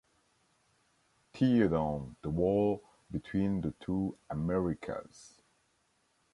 Tear down the wall between the two Americas!